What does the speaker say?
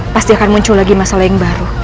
pasti akan muncul lagi masalah yang baru